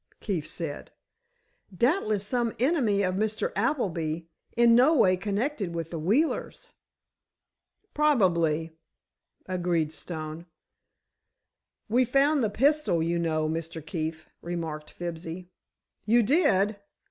Keefe said. "Doubtless some enemy of Mr. Appleby, in no way connected with the Wheelers." "Probably," agreed Stone. "We found the pistol, you know, Mr. Keefe," remarked Fibsy. "You did!